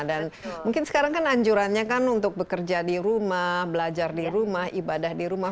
dan mungkin sekarang kan anjurannya kan untuk bekerja di rumah belajar di rumah ibadah di rumah